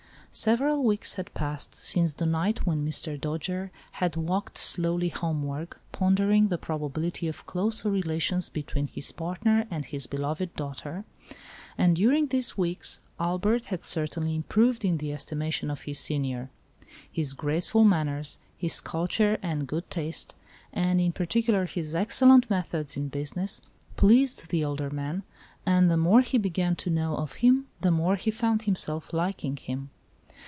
Several weeks had passed, since the night, when Mr. Dojere had walked slowly homeward, pondering the probability of closer relations be tween his partner and his beloved daughter, and during these weeks, Albert had certainly improved in the estimation of his senior. His graceful man ners, his culture and good taste, and, in partic ular, his excellent methods in business, pleased the elder man, and, the more he began to know of him, the more he found himself liking him.